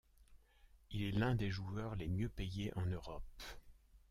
Il est l'un des joueurs les mieux payés en Europe.